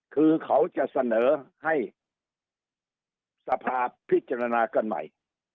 คือเขาจะเสนอให้สภาพิจารณากันใหม่